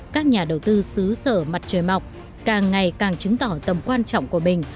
các nhà đầu tư xứ sở mặt trời mọc càng ngày càng chứng tỏ tầm quan trọng của mình